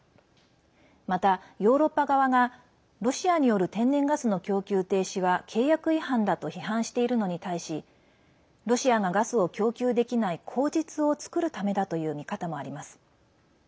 また、ヨーロッパ側がロシアによる天然ガスの供給停止は契約違反だと批判しているのに対しロシアがガスを供給できない口実を作るためだという見方もあります。